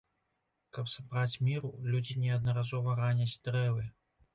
Каб сабраць міру людзі неаднаразова раняць дрэвы.